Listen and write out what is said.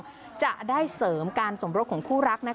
จะได้เสริมการสมรสของคู่รัก